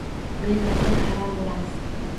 Men va sen hayron bo‘lamiz.